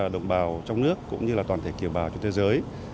đồng bào trong nước cũng như là toàn thể kiều bào trên thế giới